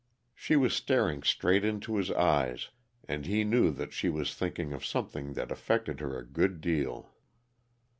She was staring straight into his eyes, and he knew that she was thinking of something that affected her a good deal.